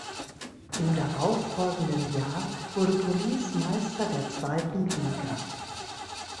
Im darauffolgenden Jahr wurde Police Meister der zweiten Liga.